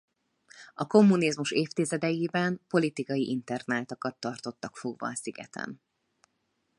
A kommunizmus évtizedeiben politikai internáltakat tartottak fogva a szigeten.